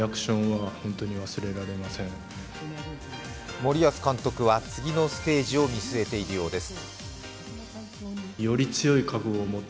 森保監督は次のステージを見据えているようです。